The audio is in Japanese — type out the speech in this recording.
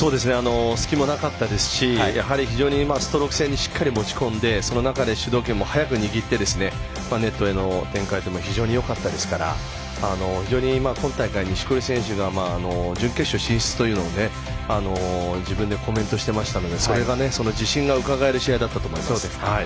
隙もなかったですし非常にストローク戦にしっかり持ち込んでその中で主導権も早く握ってネットへの展開も非常によかったですから非常に今大会、錦織選手が準決勝進出というのを自分でコメントしていましたのでその自信がうかがえる試合だったと思います。